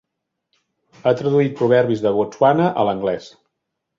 Ha traduït proverbis de Botswana a l'anglès.